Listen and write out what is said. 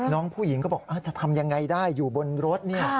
น้องผู้หญิงก็บอกจะทำยังไงได้อยู่บนรถนี่